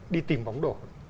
đi tìm bóng đổ